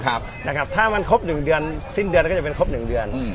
ครับนะครับถ้ามันครบหนึ่งเดือนสิ้นเดือนก็จะเป็นครบหนึ่งเดือนอืม